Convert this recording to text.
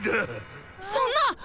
そんな！